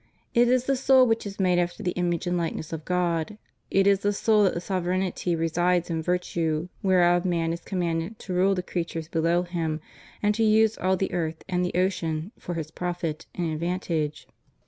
It is the soul which is made after the image and likeness of God; it is in the soul that the sovereignty resides in virtue whereof man is commanded to rule the creatures below him and to use all the earth and the ocean for his profit and advan tage.